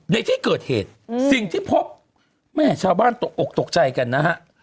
ในที่เกิดเหตุสิ่งที่พบแม่ชาวบ้านตกอกตกใจกันนะฮะ